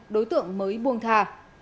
đối tượng mới buông thà